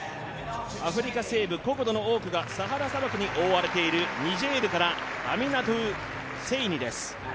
アフリカ西部、国土の多くがサハラ砂漠に覆われているニジェールからアミナトウ・セイニです。